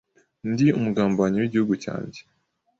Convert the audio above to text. Ndi umugambanyi wigihugu cyanjye